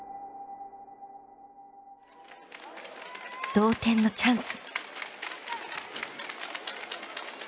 同点のチャンス。